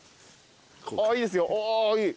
いいですよいい。